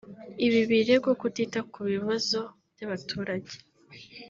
Ibi birego kutita ku bibazo by’abaturage